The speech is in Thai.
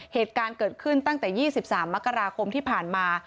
เหตุการณ์เกิดขึ้นตั้งแต่๒๓มกราคมที่ผ่านมา